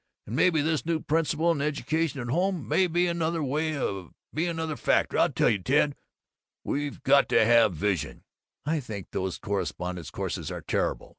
And maybe this new principle in education at home may be another may be another factor. I tell you, Ted, we've got to have Vision " "I think those correspondence courses are terrible!"